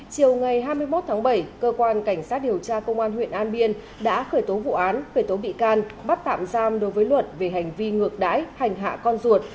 chiều ngày hai mươi một tháng bảy cơ quan cảnh sát điều tra công an huyện an biên đã khởi tố vụ án khởi tố bị can bắt tạm giam đối với luận về hành vi ngược đáy hành hạ con ruột